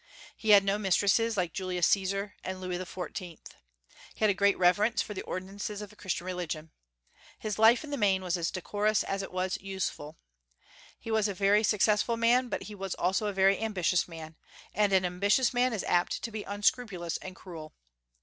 He had no mistresses, like Julius Caesar and Louis XIV. He had a great reverence for the ordinances of the Christian religion. His life, in the main, was as decorous as it was useful. He was a very successful man, but he was also a very ambitious man; and an ambitious man is apt to be unscrupulous and cruel.